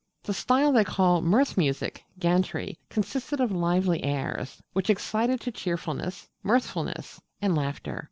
The style they called 'Mirth music' (Ganntree) consisted of lively airs, which excited to cheerfulness, mirthfulness, and laughter.